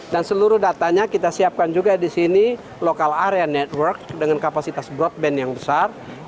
dan seluruh datanya kita siapkan juga di sini local area network dengan kapasitas broadband yang besar